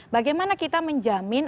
bagaimana kita menjamin